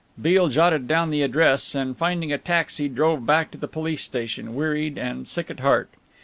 Beale jotted down the address and finding a taxi drove back to the police station, wearied and sick at heart.